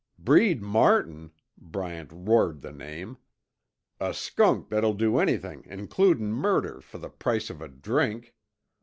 "Breed Martin!" Bryant roared the name. "A skunk that'll do anything includin' murder fer the price of a drink!